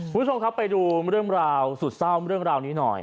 คุณผู้ชมครับไปดูเรื่องราวสุดเศร้าเรื่องราวนี้หน่อย